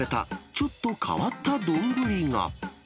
ちょっと変わった丼が。